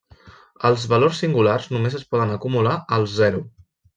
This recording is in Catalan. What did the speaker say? Els valors singulars només es poden acumular al zero.